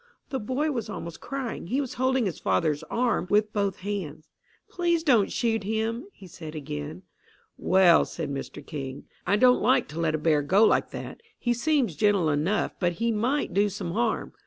The boy was almost crying. He was holding his father's arm with both hands. "Please don't shoot him!" he said again. "Well," said Mr King, "I don't like to let a bear go like that. He seems gentle enough, but he might do some harm.